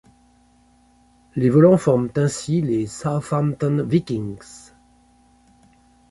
Les Volants forment ainsi les Southampton Vikings.